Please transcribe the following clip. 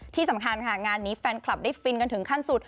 ที่สำคัญค่ะงานนี้แฟนคลับได้ฟินกันถึงขั้นสุด